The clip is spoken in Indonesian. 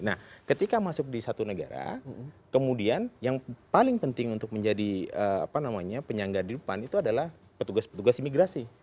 nah ketika masuk di satu negara kemudian yang paling penting untuk menjadi penyangga di depan itu adalah petugas petugas imigrasi